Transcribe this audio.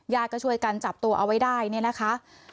ก็ช่วยกันจับตัวเอาไว้ได้เนี่ยนะคะ